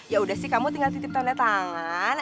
ya udah sih kamu tinggal titip tanda tangan